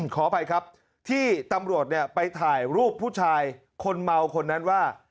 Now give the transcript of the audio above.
ขออภัยครับที่ตำรวจไปถ่ายรูปผู้ชายคนเมาคนนั้นว่า